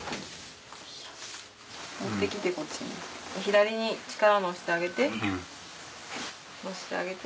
左に力乗せてあげて押してあげて。